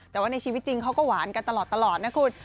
แต่ว่าในชีวิตจริงเขาก็หวานกันตลอดนะคุณ